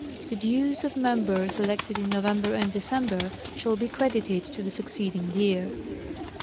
The dues of members elected in November and December shall be credited to the succeeding year.